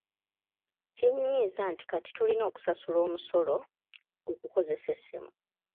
Kinyiiza nti kati tulina okusasula omusolo okukozesa essimu.